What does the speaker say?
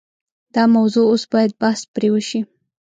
دا موضوع اوس باید بحث پرې وشي.